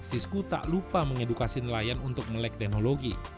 fisku tak lupa mengedukasi nelayan untuk melek teknologi